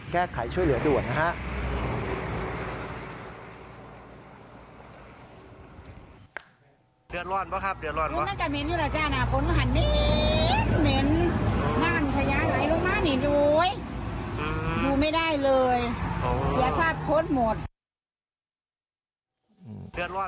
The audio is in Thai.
แก้ไขช่วยเหลือด่วนนะครับ